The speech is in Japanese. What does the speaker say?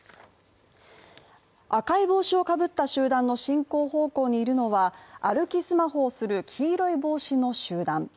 赤い帽子をかぶった集団の進行方向にいるのは歩きスマホをする黄色い帽子の集団。